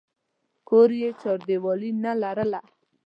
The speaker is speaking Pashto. کور یې چاردیوالي نه لرله.